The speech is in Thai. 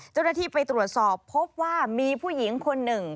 เจ้าหน้าที่ไปตรวจสอบพบว่ามีผู้หญิงคนหนึ่ง